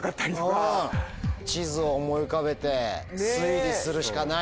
地図を思い浮かべて推理するしかないですね。